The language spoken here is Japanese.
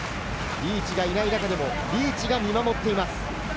リーチがいない中でもリーチが見守っています。